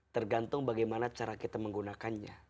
tergantung bagaimana cara kita menggunakannya